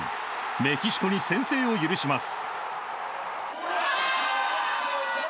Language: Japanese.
メキシコに先制を許します。